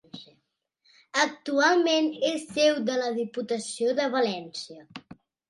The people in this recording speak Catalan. Actualment és seu de la Diputació de València.